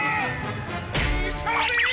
それ！